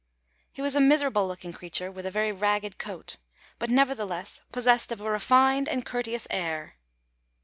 He was a miserable looking creature, with a very ragged coat, but nevertheless possessed of a refined and courteous air.